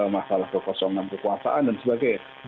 masalah kekosongan kekuasaan dan sebagainya